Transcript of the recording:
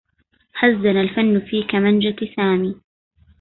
هزنا الفن في كمنجة سامي